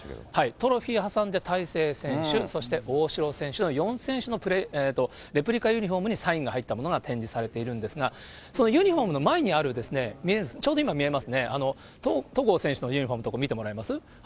トロフィー挟んで大勢選手、そして大城選手の４選手のレプリカユニホームにサインが入ったものが展示されているんですが、そのユニホームの前にある宮根さん、ちょうど今見えますね、戸郷選手のユニホームのところ見てもらえます？